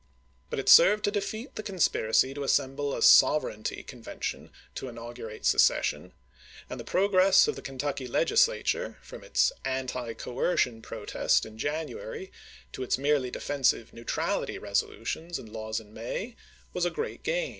But it served to defeat the conspiracy to assemble a "sovereignty convention" to inaugurate secession; and the progress of the Kentucky Legislature, from its "anti coercion" protest in January to its merely defensive "neutrality" resolutions and laws in May, was a great gain.